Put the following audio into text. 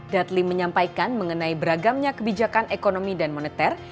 dadli menyampaikan mengenai beragamnya kebijakan ekonomi dan moneter